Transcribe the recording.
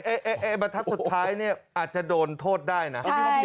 เอ๊ะบรรทัศน์สุดท้ายเนี่ยอาจจะโดนโทษได้นะ